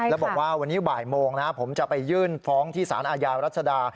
แล้วบอกว่าวันนี้บ่ายโมงนะผมจะไปยื่นฟ้องที่สารอาญารัชดา